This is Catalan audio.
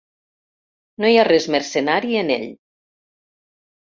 No hi ha res mercenari en ell.